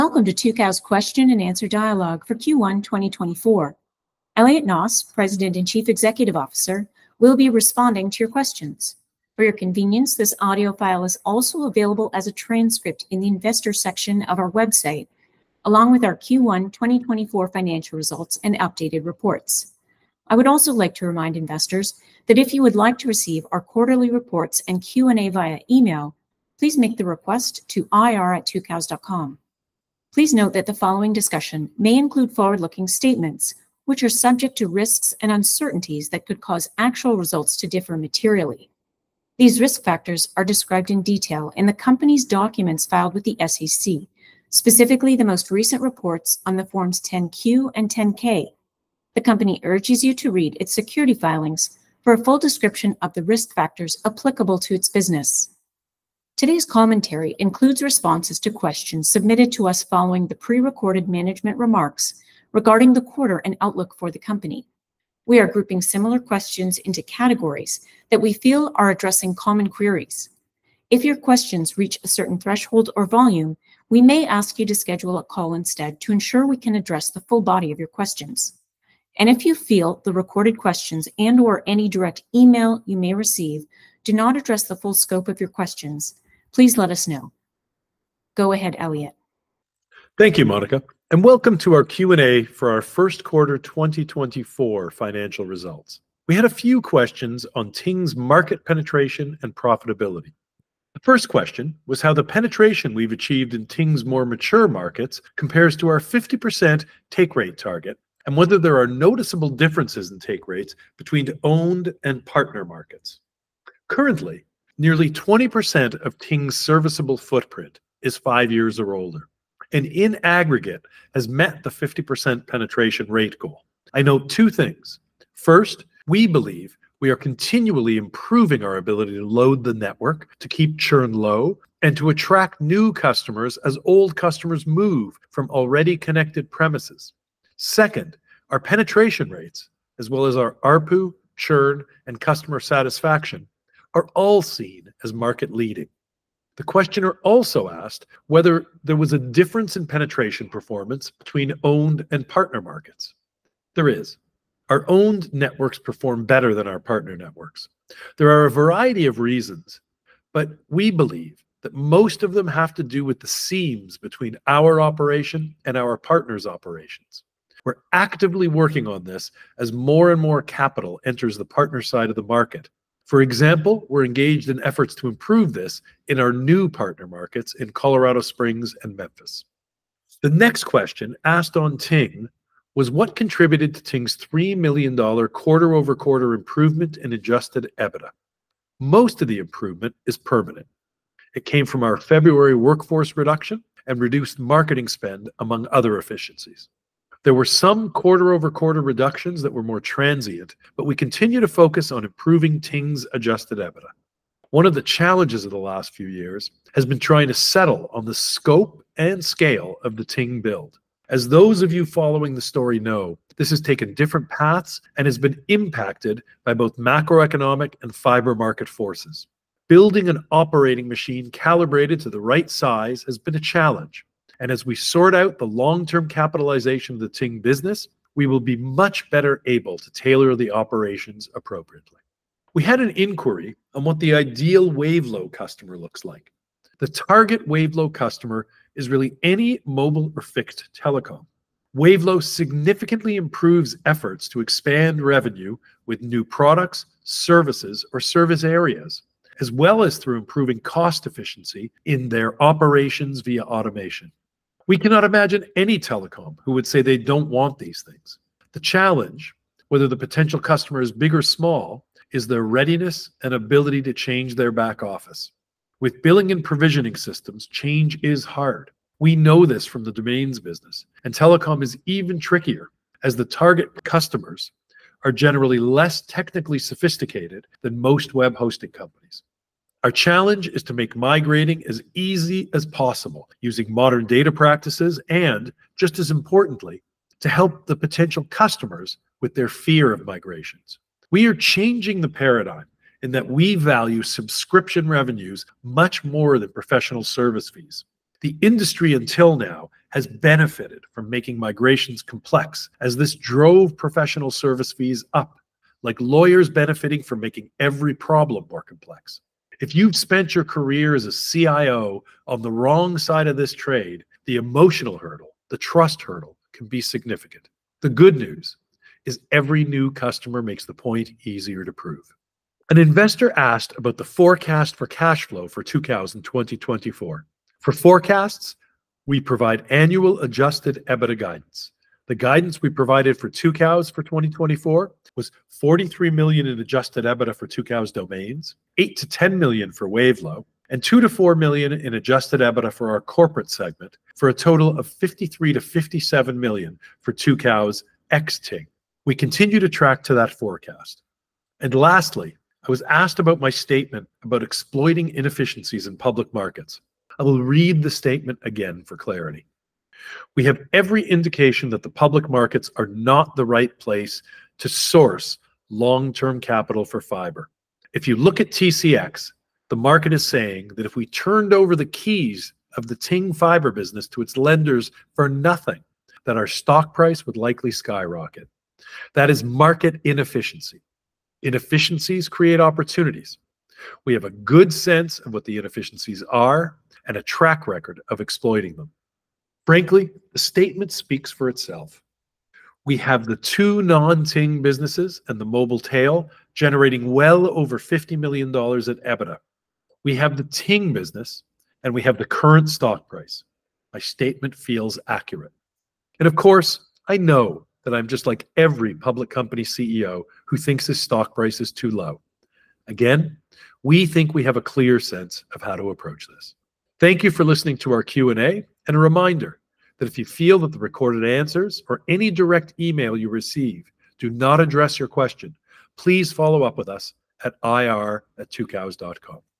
...Welcome to Tucows Question and Answer Dialogue for Q1 2024. Elliot Noss, President and Chief Executive Officer, will be responding to your questions. For your convenience, this audio file is also available as a transcript in the investor section of our website, along with our Q1 2024 financial results and updated reports. I would also like to remind investors that if you would like to receive our quarterly reports and Q&A via email, please make the request to ir@tucows.com. Please note that the following discussion may include forward-looking statements, which are subject to risks and uncertainties that could cause actual results to differ materially. These risk factors are described in detail in the company's documents filed with the SEC, specifically the most recent reports on the Forms 10-Q and 10-K. The company urges you to read its securities filings for a full description of the risk factors applicable to its business. Today's commentary includes responses to questions submitted to us following the prerecorded management remarks regarding the quarter and outlook for the company. We are grouping similar questions into categories that we feel are addressing common queries. If your questions reach a certain threshold or volume, we may ask you to schedule a call instead to ensure we can address the full body of your questions. And if you feel the recorded questions and/or any direct email you may receive do not address the full scope of your questions, please let us know. Go ahead, Elliot. Thank you, Monica, and welcome to our Q&A for our first quarter 2024 financial results. We had a few questions on Ting's market penetration and profitability. The first question was how the penetration we've achieved in Ting's more mature markets compares to our 50% take rate target, and whether there are noticeable differences in take rates between owned and partner markets. Currently, nearly 20% of Ting's serviceable footprint is five years or older, and in aggregate, has met the 50% penetration rate goal. I know two things: First, we believe we are continually improving our ability to load the network, to keep churn low, and to attract new customers as old customers move from already connected premises. Second, our penetration rates, as well as our ARPU, churn, and customer satisfaction, are all seen as market leading. The questioner also asked whether there was a difference in penetration performance between owned and partner markets. There is. Our owned networks perform better than our partner networks. There are a variety of reasons, but we believe that most of them have to do with the seams between our operation and our partners' operations. We're actively working on this as more and more capital enters the partner side of the market. For example, we're engaged in efforts to improve this in our new partner markets in Colorado Springs and Memphis. The next question asked on Ting was what contributed to Ting's $3 million quarter-over-quarter improvement in Adjusted EBITDA? Most of the improvement is permanent. It came from our February workforce reduction and reduced marketing spend, among other efficiencies. There were some quarter-over-quarter reductions that were more transient, but we continue to focus on improving Ting's Adjusted EBITDA. One of the challenges of the last few years has been trying to settle on the scope and scale of the Ting build. As those of you following the story know, this has taken different paths and has been impacted by both macroeconomic and fiber market forces. Building an operating machine calibrated to the right size has been a challenge, and as we sort out the long-term capitalization of the Ting business, we will be much better able to tailor the operations appropriately. We had an inquiry on what the ideal Wavelo customer looks like. The target Wavelo customer is really any mobile or fixed telecom. Wavelo significantly improves efforts to expand revenue with new products, services, or service areas, as well as through improving cost efficiency in their operations via automation. We cannot imagine any telecom who would say they don't want these things. The challenge, whether the potential customer is big or small, is their readiness and ability to change their back office. With billing and provisioning systems, change is hard. We know this from the domains business, and telecom is even trickier, as the target customers are generally less technically sophisticated than most web hosting companies. Our challenge is to make migrating as easy as possible using modern data practices and, just as importantly, to help the potential customers with their fear of migrations. We are changing the paradigm in that we value subscription revenues much more than professional service fees. The industry until now has benefited from making migrations complex, as this drove professional service fees up, like lawyers benefiting from making every problem more complex. If you've spent your career as a CIO on the wrong side of this trade, the emotional hurdle, the trust hurdle, can be significant. The good news is every new customer makes the point easier to prove. An investor asked about the forecast for cash flow for Tucows in 2024. For forecasts, we provide annual Adjusted EBITDA guidance. The guidance we provided for Tucows for 2024 was $43 million in Adjusted EBITDA for Tucows Domains, $8-$10 million for Wavelo, and $2-$4 million in Adjusted EBITDA for our corporate segment, for a total of $53-$57 million for Tucows ex-Ting. We continue to track to that forecast. Lastly, I was asked about my statement about exploiting inefficiencies in public markets. I will read the statement again for clarity: We have every indication that the public markets are not the right place to source long-term capital for fiber. If you look at TCX, the market is saying that if we turned over the keys of the Ting fiber business to its lenders for nothing, that our stock price would likely skyrocket. That is market inefficiency. Inefficiencies create opportunities. We have a good sense of what the inefficiencies are and a track record of exploiting them. Frankly, the statement speaks for itself. We have the two non-Ting businesses and the mobile tail generating well over $50 million in EBITDA. We have the Ting business, and we have the current stock price. My statement feels accurate. Of course, I know that I'm just like every public company CEO who thinks his stock price is too low. Again, we think we have a clear sense of how to approach this. Thank you for listening to our Q&A, and a reminder that if you feel that the recorded answers or any direct email you receive do not address your question, please follow up with us at ir@tucows.com.